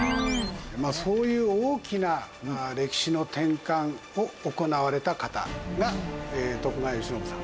そういう大きな歴史の転換を行われた方が徳川慶喜さん。